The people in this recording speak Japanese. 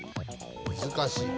難しい。